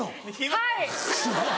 はい！